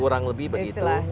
kurang lebih begitu